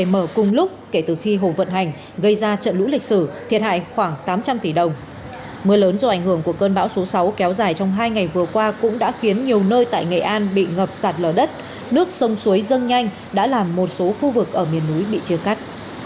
mưa lớn do ảnh hưởng của cơn bão số sáu kéo dài trong hai ngày vừa qua cũng đã khiến nhiều nơi tại nghệ an bị ngập sạt lở đất nước sông suối dâng nhanh đã làm một số khu vực ở miền núi bị chia cắt